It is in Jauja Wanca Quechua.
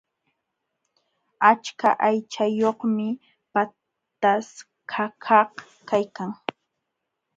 Achka aychayuqmi pataskakaq kaykan.